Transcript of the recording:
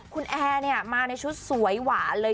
คุณแอร์มาในชุดสวยหวานเลย